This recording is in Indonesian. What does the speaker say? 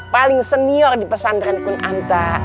paling senior di pesantren kun anta